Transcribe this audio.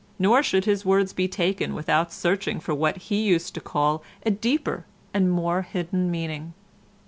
Nor should his words be taken without searching for what he used to call a "deeper and more hidden meaning."